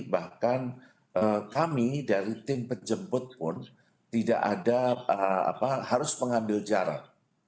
bahkan kami dari tim penjemput pun tidak ada harus mengambil jarak